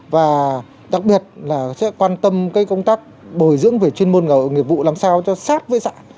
và đặc biệt là sẽ quan tâm công tác bồi dưỡng về chuyên môn nghiệp vụ làm sao cho sát với xã